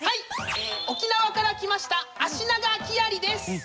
沖縄から来ましたアシナガキアリです！